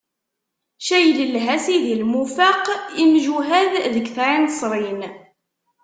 Caylellah s Sidi Lmufeq, imjuhad deg Tɛinsrin.